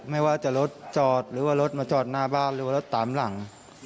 ไม่ว่าจะรถจอดหรือว่ารถมาจอดหน้าบ้านหรือว่ารถตามหลัง